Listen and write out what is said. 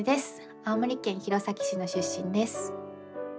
青森県弘前市の出身です。